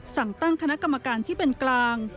สั่งตั้งคณะกรรมการที่เป็นกลาง